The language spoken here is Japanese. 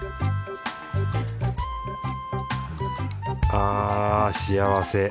ああ幸せ。